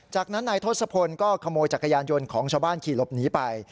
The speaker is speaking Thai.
จากนั้นนายทศพลก็ขโมยจักรยานยนต์ของชาวบ้านขี่หลบหนีไป